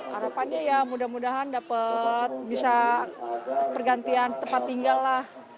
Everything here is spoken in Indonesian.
harapannya ya mudah mudahan dapat bisa pergantian tempat tinggal lah